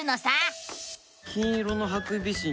金色のハクビシン